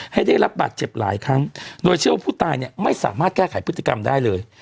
ให้ได้รับบาดเจ็บหลายครั้งโดยเชื่อว่าผู้ตายเนี่ยไม่สามารถแก้ไขพฤติกรรมได้เลย